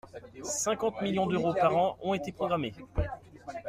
cinquante millions d’euros par an ont été programmés.